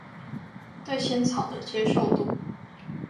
對仙草的接受度